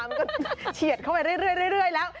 มันก็เฉียดเข้าไปเรื่อยแล้ว